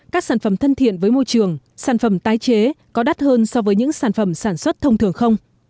các sản phẩm thân thiện với môi trường sản phẩm tái chế có đắt hơn so với những sản phẩm sản xuất thông thường không